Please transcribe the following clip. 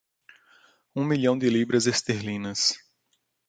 Um milhão de libras esterlinas